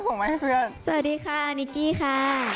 สวัสดีค่ะนิกิค่ะ